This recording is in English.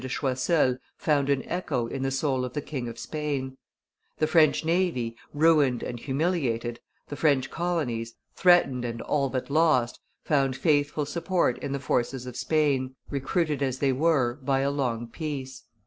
de Choiseul found an echo in the soul of the King of Spain; the French navy, ruined and humiliated, the French colonies, threatened and all but lost, found faithful support in the forces of Spain, recruited as they were. by a long peace.